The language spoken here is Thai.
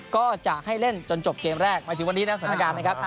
ก็จะให้เล่นจนจบเกมแรกหมายถึงวันนี้นะสถานการณ์นะครับ